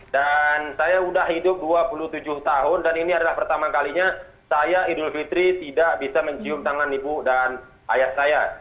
dan saya sudah hidup dua puluh tujuh tahun dan ini adalah pertama kalinya saya idul fitri tidak bisa mencium tangan ibu dan ayah saya